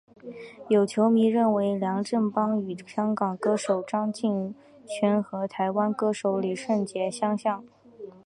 有球迷认为梁振邦与香港歌手张敬轩和台湾歌手李圣杰相像。